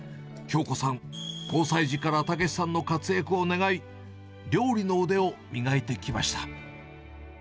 響子さん、交際時からたけしさんの活躍を願い、料理の腕を磨いてきました。